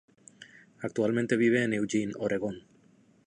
Actualmente vive en Eugene, Oregón.